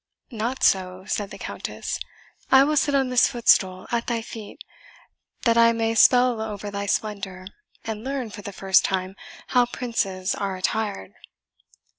"Not so," said the Countess; "I will sit on this footstool at thy feet, that I may spell over thy splendour, and learn, for the first time, how princes are attired."